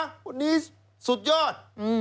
วันนี้สุดยอด